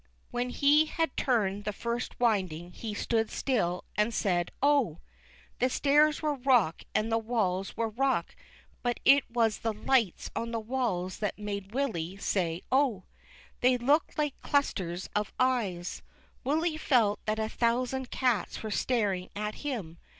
When he liad turned the first winding, he stood still and said Oh !" The stairs were rock and the walls were rock, but it was the lights on the walls that made Willy say Oh !" They looked like clusters of eyes ; Willy felt that a thousand cats w^ere staring at him.